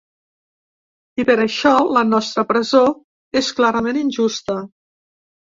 I per això la nostra presó és clarament injusta.